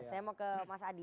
saya mau ke mas adi